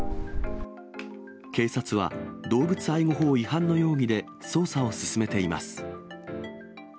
警察は、動物愛護法違反の容疑で捜査を進めています。